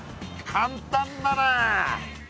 簡単だな。